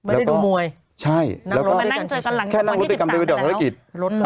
ไม่ได้ดูมวยใช่นั่งรถด้วยกันกันหลังที่๑๓ไปแล้ว